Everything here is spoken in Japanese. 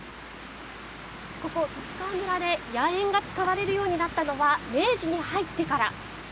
ここ十津川村で野猿が使われるようになったのは明治に入ってから。